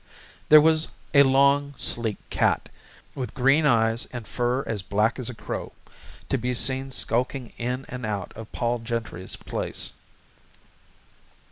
There was a long sleek cat, with green eyes and fur as black as a crow, to be seen skulking in and out of Pol Gentry's place.